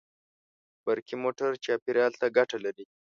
برقي موټر چاپېریال ته ګټه لري.